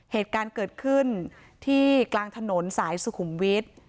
เหตุการณ์เกิดขึ้นที่กลางถนนสายสุขุมวิทย์